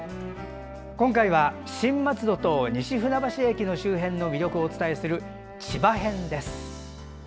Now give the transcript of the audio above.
今回は新松戸と西船橋駅周辺の魅力をお伝えする、千葉編です。